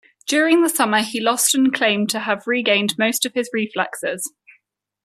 During the summer he lost and claimed to have regained most of his reflexes.